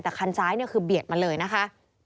แต่คันซ้ายเนี่ยคือเบียดมาเลยนะคะ